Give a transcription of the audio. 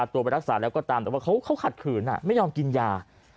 แต่ว่าเขาขัดขืนไม่ยอมกินยา